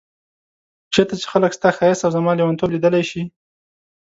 چيرته چي خلګ ستا ښايست او زما ليونتوب ليدلی شي